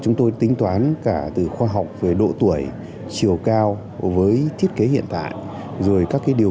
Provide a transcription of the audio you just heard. chúng tôi tính toán cả từ khoa học về độ tuổi chiều cao với thiết kế hiện tại rồi các cái điều